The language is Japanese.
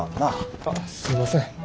あっすいません。